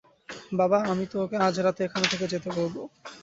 বাবা, আমি তো ওকে আজ রাতে এখানে থেকে যেতে বলব।